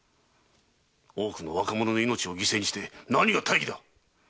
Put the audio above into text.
多くの若者の命を犠牲にして何が“大儀”だ！